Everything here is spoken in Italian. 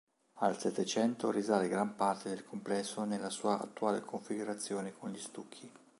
Al settecento risale gran parte del complesso nella sua attuale configurazione con gli stucchi.